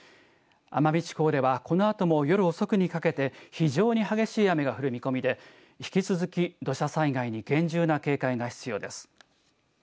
奄美地方ではこのあとも夜遅くにかけて非常に激しい雨が降る見込みで引き続き土砂災害に厳重な警戒が必要です。